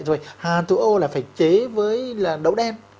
rồi hạt thủ ô là phải chế với đậu đen